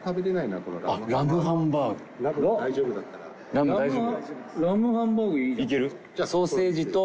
ラム大丈夫？